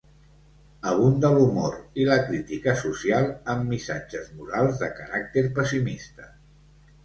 Abunda l'humor i la crítica social, amb missatges morals de caràcter pessimista.